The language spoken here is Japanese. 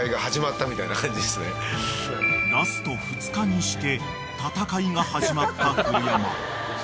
［ラスト２日にして戦いが始まった古山］